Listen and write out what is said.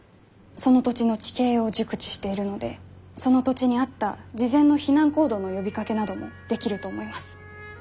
その土地の地形を熟知しているのでその土地に合った事前の避難行動の呼びかけなどもできると思います。